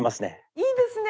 いいですね。